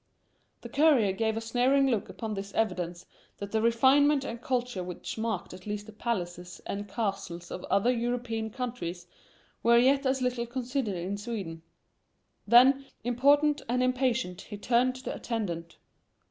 The courier gave a sneering look upon this evidence that the refinement and culture which marked at least the palaces and castles of other European countries were as yet little considered in Sweden. Then, important and impatient, he turned to the attendant.